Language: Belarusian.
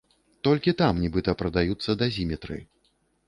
Толькі там нібыта прадаюцца дазіметры.